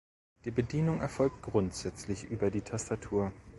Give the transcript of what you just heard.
Die Bedienung erfolgt grundsätzlich über die Tastatur.